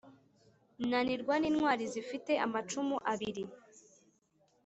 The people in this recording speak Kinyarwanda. nanirwa n'intwali zifite amacumu abili.